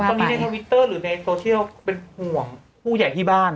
ตอนนี้ในทวิตเตอร์หรือในโซเชียลเป็นห่วงผู้ใหญ่ที่บ้าน